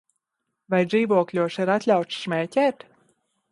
Vai dzīvokļos ir atļauts smēķēt?